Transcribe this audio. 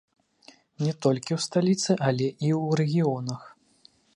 Не толькі ў сталіцы, але і ў рэгіёнах.